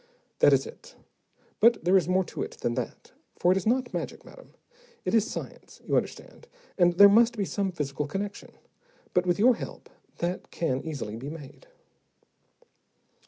"That is it. But there is more to it than that, for it is not magic, madam; it is science, you understand, and there must be some physical connection. But with your help, that can easily be made."